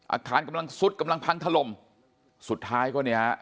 อาคารกำลังซุดกำลังพังถล่มสุดท้ายก็เนี่ยฮะ